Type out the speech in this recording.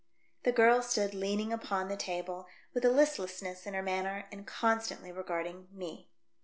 The girl stood leaning upon the table, with a listlessness in her manner and constantly regarding me.